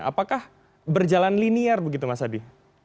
apakah berjalan linear begitu mas adi